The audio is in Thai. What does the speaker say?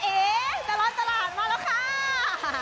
ตลอดตลาดมาแล้วค่ะ